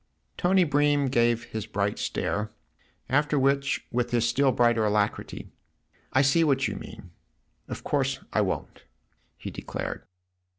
Tony Bream gave his bright stare ; after which, with his still brighter alacrity, " I see what you mean : of course I won't !" he declared.